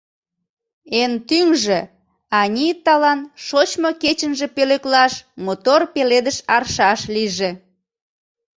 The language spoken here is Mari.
Эн тӱҥжӧ — Аниталан шочмо кечынже пӧлеклаш мотор пеледыш аршаш лийже!»